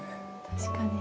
確かに。